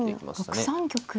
６三玉に。